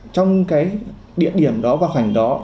trong cái địa điểm đó và khoảnh đó